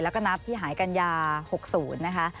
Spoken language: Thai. และก็นับที่หายกัญญาละ๖๐